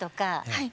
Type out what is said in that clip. はい。